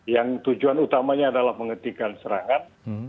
yang tujuan utamanya adalah menghentikan serangan